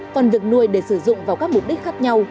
còn việc nuôi để sử dụng vào các mục đích khác nhau